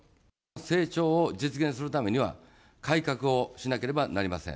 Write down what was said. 成長を実現するためには、改革をしなければなりません。